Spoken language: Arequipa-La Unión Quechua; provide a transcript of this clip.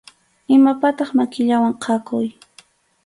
Imatapaq makillawan khakuy.